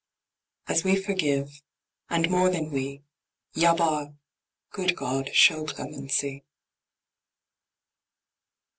As we forgive and more than we Ya Barr! Good God, show clemency.